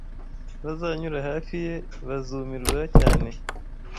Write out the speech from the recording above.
Abazanyura hafi ye bazumirwa cyane